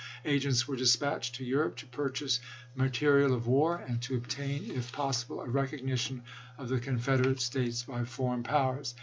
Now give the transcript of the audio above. Agents were dispatched to chap. xiii. Europe to purchase material of war ; and to obtain if possible a recognition of the Confederate States by foreign powers.